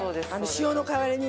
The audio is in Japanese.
塩の代わりに？